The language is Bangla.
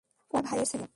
ও আমার ভাইয়ের ছেলে।